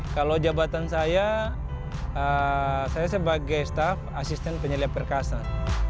kalau jabatan saya saya sebagai staff asisten penyelia perkasan